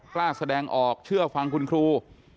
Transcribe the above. กล้าแสดงออกเชื่อฟังคุณครู